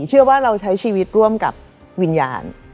เชื่อว่าเราใช้ชีวิตร่วมกับวิญญาณ